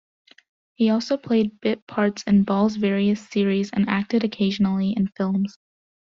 He also played bit parts in Ball's various series and acted occasionally in films.